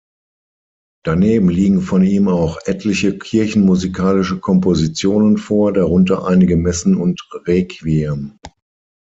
Daneben liegen von ihm auch etliche kirchenmusikalische Kompositionen vor, darunter einige Messen und Requiem.